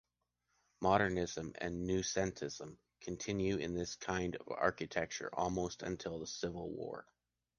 Modernism and noucentisme continue in this kind of architecture almost until the Civil War.